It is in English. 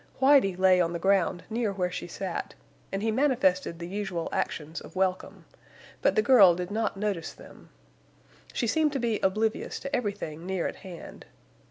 Whitie lay on the ground near where she sat, and he manifested the usual actions of welcome, but the girl did not notice them. She seemed to be oblivious to everything near at hand.